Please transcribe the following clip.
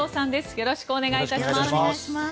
よろしくお願いします。